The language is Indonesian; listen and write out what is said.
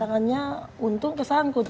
tangannya untung kesangkut